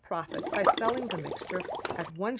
\ profit by selling the mixture at 1s.